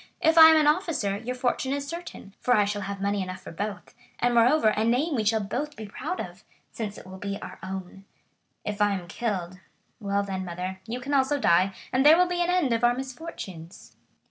If I am an officer, your fortune is certain, for I shall have money enough for both, and, moreover, a name we shall both be proud of, since it will be our own. If I am killed—well then mother, you can also die, and there will be an end of our misfortunes."